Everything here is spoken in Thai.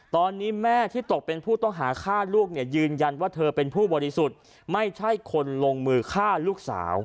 ตอนนี้แม่ที่ตกเป็นผู้ต้องหาฆ่าลูกเนี่ยยืนยันว่าเธอเป็นผู้บริสุทธิ์ไม่ใช่คนลงมือฆ่าลูกสาว